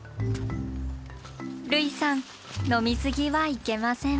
類さん飲み過ぎはいけません。